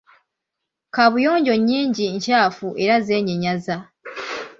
Kaabuyonjo nnyingi nkyafu era zeenyinyaza.